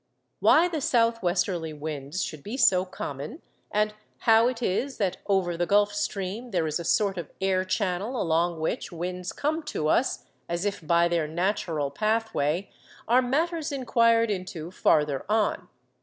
Why the south westerly winds should be so common, and how it is that over the Gulf Stream there is a sort of air channel along which winds come to us as if by their natural pathway, are matters inquired into farther on (see p.